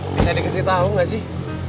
bisa dikasih tau gak sih